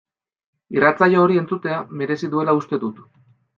Irratsaio hori entzutea merezi duela uste dut.